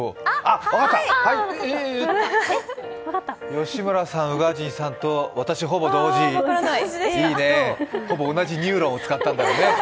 吉村さん、宇賀神さんと私ほぼ同時、いいね、ほぼ同じニューロンを使ったんだろうね。